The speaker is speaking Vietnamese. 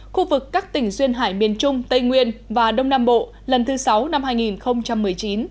khu vực các tỉnh duyên hải miền trung tây nguyên và đông nam bộ lần thứ sáu năm hai nghìn một mươi chín